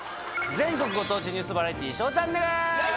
全国ご当地ニュースバラエティー『ＳＨＯＷチャンネル』！